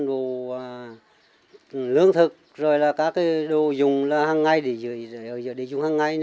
nói chung toàn bộ lưỡng thực rồi là các cái đồ dùng là hằng ngày để dùng hằng ngày